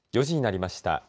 ４時になりました。